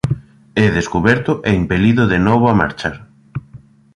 É descuberto e impelido de novo a marchar.